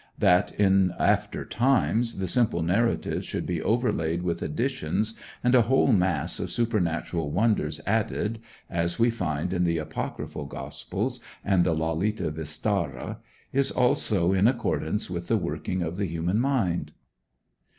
That, in after times, the simple narratives should be overlaid with additions, and a whole mass of supernatural wonders added, as we find in the Apocryphal Gospels and the Lalita Vistara, is also in accordance with the working of the human mind.